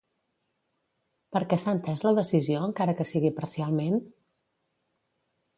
Per què s'ha entès la decisió, encara que sigui parcialment?